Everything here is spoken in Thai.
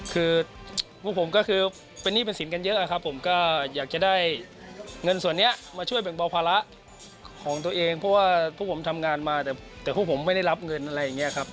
คือพวกผมก็คือเป็นหนี้เป็นสินกันเยอะครับผมก็อยากจะได้เงินส่วนนี้มาช่วยแบ่งเบาภาระของตัวเองเพราะว่าพวกผมทำงานมาแต่พวกผมไม่ได้รับเงินอะไรอย่างนี้ครับ